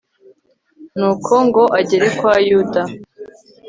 nuko ngo agere kwa yuda